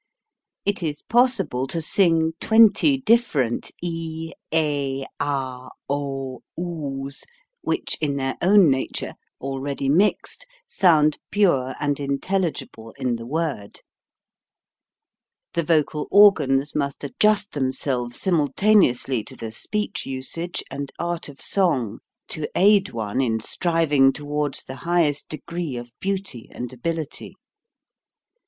It is possible to sing twenty different e, a, ah, o, oo's which in their own nature, already mixed, sound pure and intelligible in the word. The THE ATTACK A^D THE VOWELS 71 vocal organs must adjust themselves simul taneously to the speech usage and art of song to aid one in striving towards the highest degree of beauty and ability.